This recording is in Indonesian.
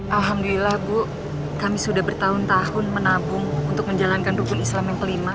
alhamdulillah bu kami sudah bertahun tahun menabung untuk menjalankan rukun islam yang kelima